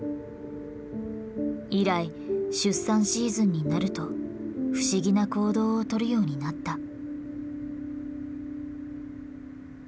以来出産シーズンになると不思議な行動をとるようになった。